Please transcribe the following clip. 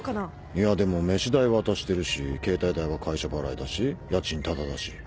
いやでも飯代渡してるし携帯代は会社払いだし家賃タダだし。